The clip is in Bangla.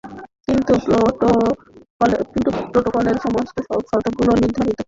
কিন্তু প্রোটোকলের সমস্ত শর্তগুলো নির্ধারিত সময়সীমা দ্বারা পূরণ করা হয়নি।